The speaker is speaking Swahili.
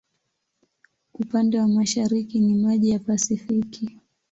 Upande wa mashariki ni maji ya Pasifiki.